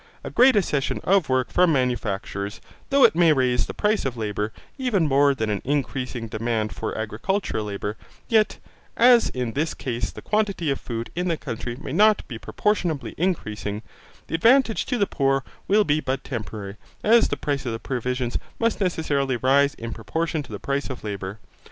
A great accession of work from manufacturers, though it may raise the price of labour even more than an increasing demand for agricultural labour, yet, as in this case the quantity of food in the country may not be proportionably increasing, the advantage to the poor will be but temporary, as the price of provisions must necessarily rise in proportion to the price of labour.